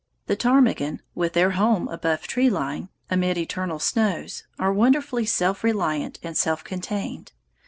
The ptarmigan, with their home above tree line, amid eternal snows, are wonderfully self reliant and self contained.